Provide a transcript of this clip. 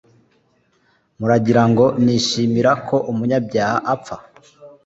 Muragira ngo nishimira ko umunyabyaha apfa?